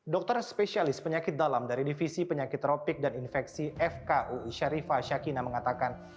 dokter spesialis penyakit dalam dari divisi penyakit tropik dan infeksi fkui sharifah syakina mengatakan